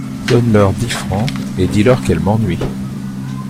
Donne-leur dix francs et dis-leur qu’elles m’ennuient !